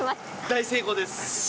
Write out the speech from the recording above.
大成功です。